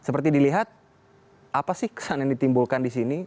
seperti dilihat apa sih kesan yang ditimbulkan disini